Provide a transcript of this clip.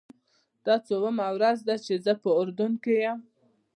دا څوومه ورځ ده چې زه په اردن کې یم.